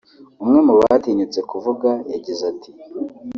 umwe mu batinyutse kuvuga yagize ati